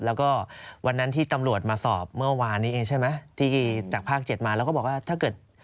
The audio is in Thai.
แล้วก็วันนั้นที่ตำรวจมาสอบเมื่อวานนี้เองใช่ไหมที่จากภาค๗มาแล้วก็บอกว่าถ้าเกิด